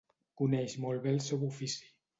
Coneix molt bé el seu ofici.